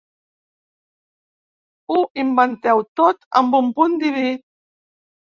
Ho inventeu tot amb un punt diví.